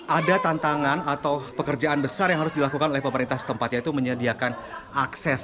ada tantangan atau pekerjaan besar yang harus dilakukan oleh pemerintah setempat yaitu menyediakan akses